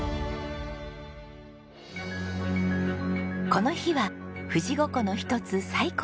この日は富士五湖の一つ西湖へ。